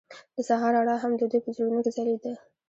د سهار رڼا هم د دوی په زړونو کې ځلېده.